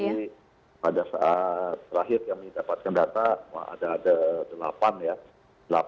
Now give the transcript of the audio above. pada saat terakhir kami dapatkan data ada delapan ya